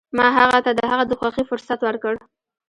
ما هغه ته د هغه د خوښې فرصت ورکړ.